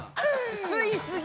吸い過ぎ。